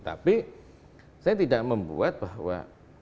tapi saya tidak membuat bahwa